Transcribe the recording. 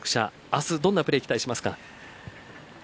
明日どんなプレー期待しますか？